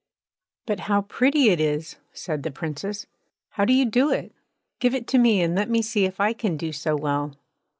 'But how pretty it is!' said the Princess. 'How do you do it? Give it to me and let me see if I can do so well.'